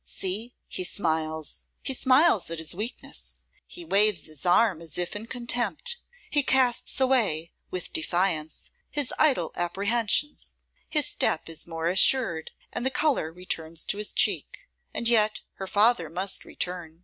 See! he smiles! He smiles at his weakness. He waves his arm as if in contempt. He casts away, with defiance, his idle apprehensions. His step is more assured, and the colour returns to his cheek. And yet her father must return.